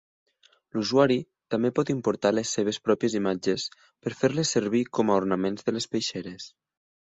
L'usuari també pot importar les seves pròpies imatges per fer-les servir com a ornaments de les peixeres.